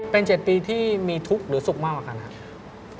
เป็น๗ปีที่มีทุกข์หรือสุขมากกว่ากันครับ